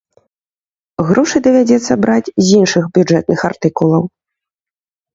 Грошы давядзецца браць з іншых бюджэтных артыкулаў.